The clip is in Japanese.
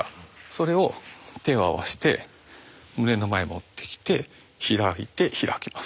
それを手を合わせて胸の前持ってきて開いて開きます。